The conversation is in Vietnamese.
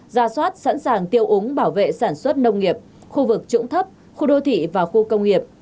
gia soát sẵn sàng tiêu úng bảo vệ sản xuất nông nghiệp khu vực trụng thấp khu đô thủy và khu công nghiệp